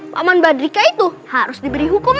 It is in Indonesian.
paman badrika itu harus diberi hukum